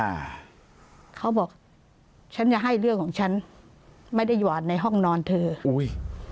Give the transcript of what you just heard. อ่าเขาบอกฉันจะให้เรื่องของฉันไม่ได้หวาดในห้องนอนเธออุ้ย